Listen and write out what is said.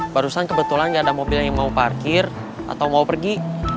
barusan kebetulan nggak ada mobil yang mau parkir atau mau pergi